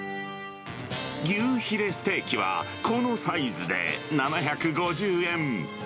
牛ヒレステーキは、このサイズで７５０円。